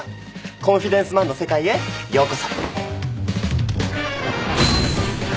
コンフィデンスマンの世界へようこそ。